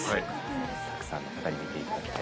たくさんの方に見ていただきたいです。